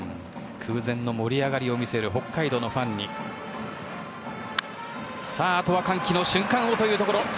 空前の盛り上がりを見せる北海道のファンにあとは歓喜の瞬間というところ。